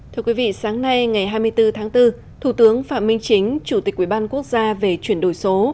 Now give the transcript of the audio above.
thưa quý vị sáng nay ngày hai mươi bốn tháng bốn thủ tướng phạm minh chính chủ tịch quỹ ban quốc gia về chuyển đổi số